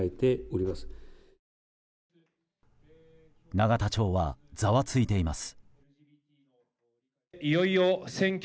永田町はざわついています。